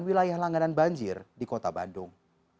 wilayah langganan banjir di kota bandung